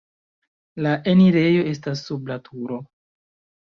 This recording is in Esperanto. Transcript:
La enirejo estas sub la turo.